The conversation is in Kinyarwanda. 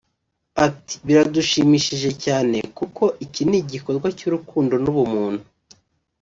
Ati “ Biradushimishije cyane kuko iki ni igikorwa cy’urukundo n’ubumuntu